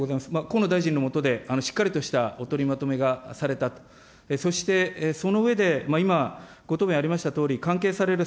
河野大臣の下でしっかりとしたお取りまとめがされたと、そしてその上で今ご答弁ありましたとおり、関係される